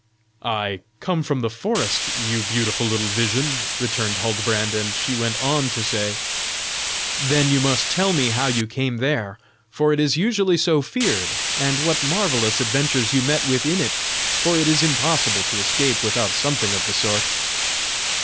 "I come from the forest, you beautiful little vision," returned Huldbrand; and she went on to say: "Then you must tell me how you came there, for it is usually so feared, and what marvellous adventures you met with in it, for it is impossible to escape without something of the sort."